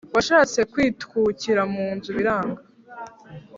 yashatse kwitwukira munzu biranga